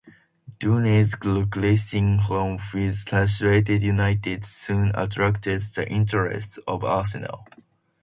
Dunne's goalscoring form with Sheffield United soon attracted the interest of Arsenal.